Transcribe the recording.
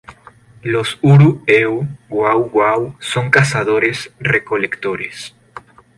Los uru-eu-wau-wau son cazadores-recolectores.